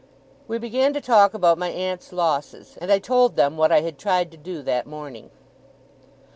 We began to talk about my aunt's losses, and I told them what I had tried to do that morning.